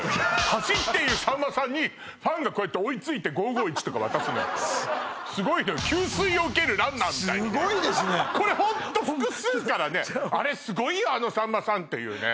走っているさんまさんにファンがこうやって追いついて５５１とか渡すのよすごいのよすごいですねこれホント複数からねあれすごいよあのさんまさんっていうね